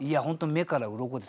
目からうろこです。